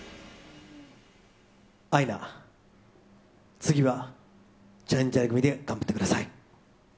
次はチャレンジャー組で頑張ってください。